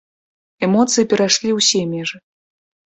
Эмоцыі перайшлі ўсе межы.